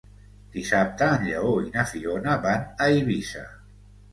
Dissabte en Lleó i na Fiona van a Eivissa.